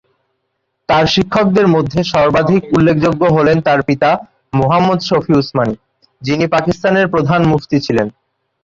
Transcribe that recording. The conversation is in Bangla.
তার শিক্ষকদের মধ্যে সর্বাধিক উল্লেখযোগ্য হলেন তার পিতা মুহাম্মদ শফি উসমানি, যিনি পাকিস্তানের প্রধান মুফতি ছিলেন।